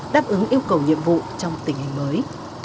đáp ứng yêu cầu nhiệm vụ trong tình hình mới